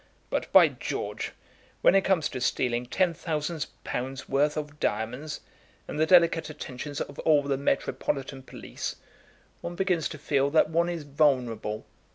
But, by George, when it comes to stealing ten thousand pounds' worth of diamonds, and the delicate attentions of all the metropolitan police, one begins to feel that one is vulnerable.